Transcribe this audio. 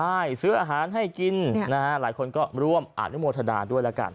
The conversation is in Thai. ใช่ซื้ออาหารให้กินนะฮะหลายคนก็ร่วมอนุโมทดาด้วยแล้วกัน